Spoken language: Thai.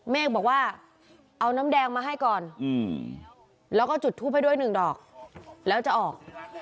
เมฆบอกว่าเอาน้ำแดงมาให้ก่อนแล้วก็จุดทูปให้ด้วยหนึ่งดอกแล้วจะออก